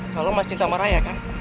kal lo masih cinta sama raya kan